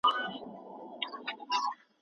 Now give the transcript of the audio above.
که هغه لاړه شي درد به مې زیات شي.